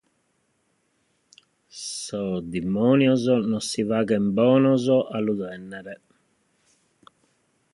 Sos dimònios non si faghent bonos a lu tènnere.